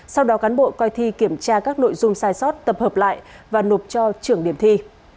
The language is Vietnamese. sau đó cán bộ coi thi kiểm tra các nội dung sai sót tập hợp lại và nộp cho trưởng điểm thi